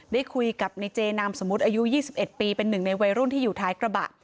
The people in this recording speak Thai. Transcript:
ได้คุยกับในเจนามสมมุติอายุ๒๑ปีเป็นหนึ่งในวัยรุ่นที่อยู่ท้ายกระบะ